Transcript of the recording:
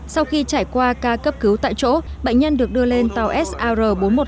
sau khi trải qua ca cấp cứu tại chỗ bệnh nhân được đưa lên tàu sr bốn trăm một mươi